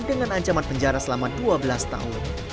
dengan ancaman penjara selama dua belas tahun